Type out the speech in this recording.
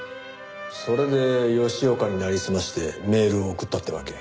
それで吉岡に成り済ましてメールを送ったってわけ？